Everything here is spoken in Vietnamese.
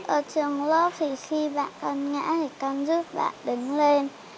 ở trường lớp thì khi dạ con ngã thì con giúp bạn đứng lên